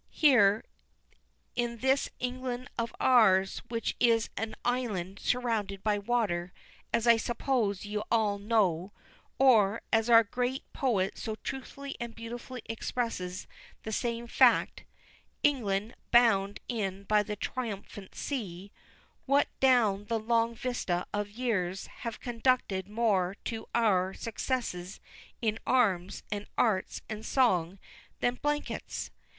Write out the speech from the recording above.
Here, in this England of ours, which is an island surrounded by water, as I suppose you all know or, as our great poet so truthfully and beautifully expresses the same fact, 'England bound in by the triumphant sea' what, down the long vista of years, have conduced more to our successes in arms, and arts and song, than blankets?